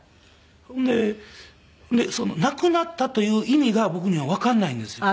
ほんで亡くなったという意味が僕にはわかんないんですよ。